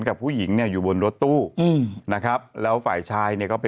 กับผู้หญิงเนี่ยอยู่บนรถตู้อืมนะครับแล้วฝ่ายชายเนี่ยก็ไป